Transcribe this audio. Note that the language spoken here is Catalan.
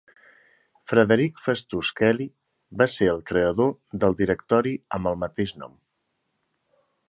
Frederic Festus Kelly va ser el creador del directori amb el mateix nom.